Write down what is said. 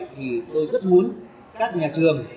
tôi rất muốn các nhà trường